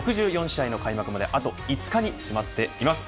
６４試合の開幕まであと５日に迫っています。